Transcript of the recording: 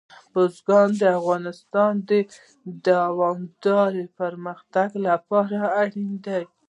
بزګان د افغانستان د دوامداره پرمختګ لپاره اړین دي.